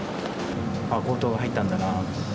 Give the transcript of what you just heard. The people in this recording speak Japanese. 強盗が入ったんだなと。